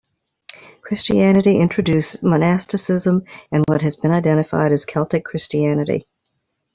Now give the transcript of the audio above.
Christianity introduced monasticism and what has been identified as Celtic Christianity.